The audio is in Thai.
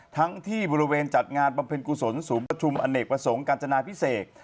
ทั้งที่บริเวณจัดงานบำเพ็ญกุศลศูนย์ประชุมอเนกประสงค์กาญจนาพิเศษ